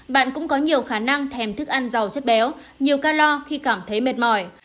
bạn cũng có nhiều khả năng thèm thức ăn giàu chất béo nhiều calor khi cảm thấy mệt mỏi